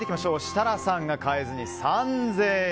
設楽さんが変えずに３０００円。